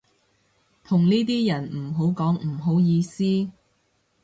同呢啲人唔好講唔好意思